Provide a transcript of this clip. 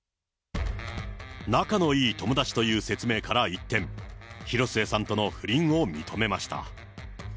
仲のいい友達という説明から一転、広末さんとの不倫を認めました。